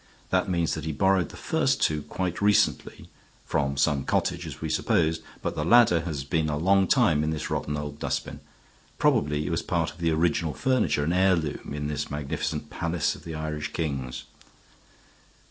That means that he borrowed the first two quite recently from some cottage, as we supposed, but the ladder has been a long time in this rotten old dustbin. Probably it was part of the original furniture, an heirloom in this magnificent palace of the Irish kings."